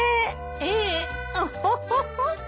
ええオホホホ。